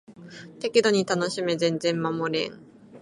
適度に楽しめ全然守れん